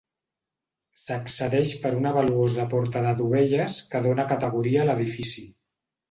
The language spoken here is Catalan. S'accedeix per una valuosa porta de dovelles que dóna categoria a l'edifici.